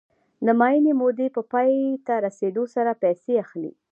د معینې مودې په پای ته رسېدو سره پیسې اخلي